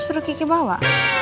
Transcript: iya aku suruh kiki bawa